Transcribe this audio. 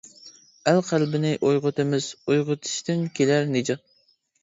ئەل قەلبىنى ئويغىتىمىز، ئويغىتىشتىن كېلەر نىجات.